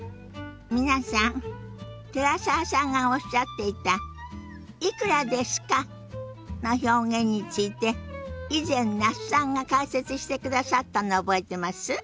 皆さん寺澤さんがおっしゃっていた「いくらですか？」の表現について以前那須さんが解説してくださったの覚えてます？